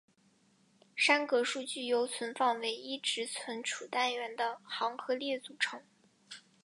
栅格数据由存放唯一值存储单元的行和列组成。